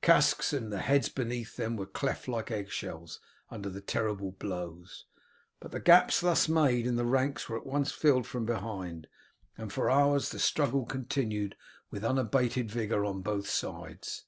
Casques and the heads beneath them were cleft like egg shells under the terrible blows; but the gaps thus made in the ranks were at once filled from behind, and for hours the struggle continued with unabated vigour on both sides.